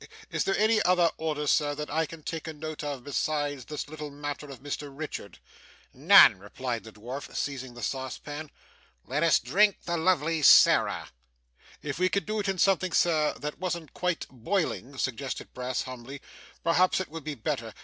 Is there any other order, sir, that I can take a note of, besides this little matter of Mr Richard?' 'None,' replied the dwarf, seizing the saucepan. 'Let us drink the lovely Sarah.' 'If we could do it in something, sir, that wasn't quite boiling,' suggested Brass humbly, 'perhaps it would be better.